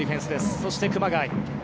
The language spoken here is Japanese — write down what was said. そして熊谷。